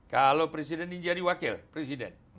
kalau presiden ini jadi wakil presiden